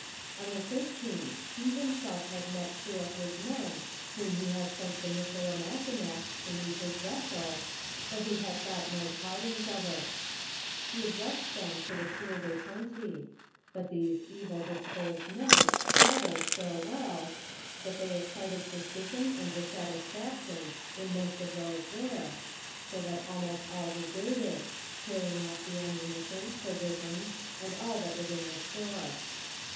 On the thirteenth, he himself had met two of his men whom he had sent to Missilimakinac to meet his vessel, but who had got no tidings of it. He addressed them to the sieur de Tonty ; but these evil disposed men cab alled so well, that they excited suspicion and dissatisfaction in most of those there, so that almost all deserted, carrying off the ammunition, provisions, and all that was in the store.